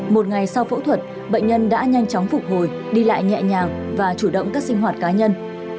một ngày sau phẫu thuật bệnh nhân đã nhanh chóng phục hồi đi lại nhẹ nhàng và chủ động các sinh hoạt cá nhân